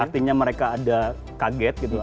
artinya mereka ada kaget gitu